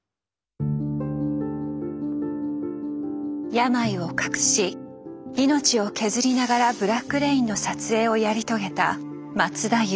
病を隠し命を削りながら「ブラック・レイン」の撮影をやり遂げた松田優作。